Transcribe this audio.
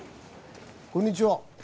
こんにちは。